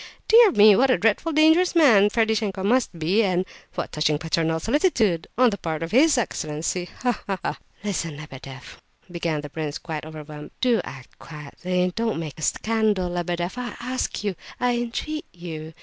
Dear me! what a dreadfully dangerous man Ferdishenko must be, and what touching paternal solicitude, on the part of his excellency, ha! ha! ha!" "Listen, Lebedeff," began the prince, quite overwhelmed; "do act quietly—don't make a scandal, Lebedeff, I ask you—I entreat you!